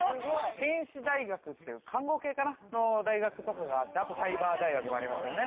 天使大学っていう看護系かなの大学とかがあってあとサイバー大学もありますよね